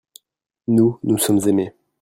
nous, nous sommes aimés.